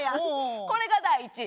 これが第１位。